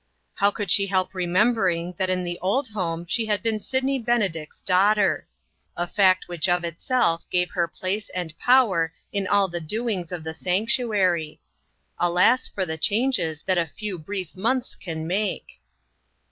How could she help remembering that in the old home she had been Sidney Benedict's daughter? A fact which of itself gave her place and power in all the doings of the sanct uary. Alas for the changes that a few brief months can make